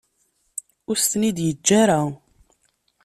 Ur as-ten-id-yeǧǧa ara.